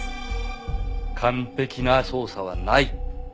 完璧な捜査はない。